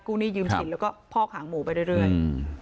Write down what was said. หนี้ยืมสินแล้วก็พอกหางหมูไปเรื่อย